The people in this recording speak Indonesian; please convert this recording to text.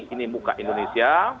ini muka indonesia